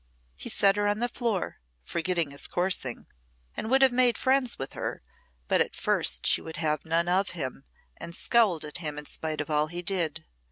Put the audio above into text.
He set her on the floor, forgetting his coursing, and would have made friends with her, but at first she would have none of him, and scowled at him in spite of all he did.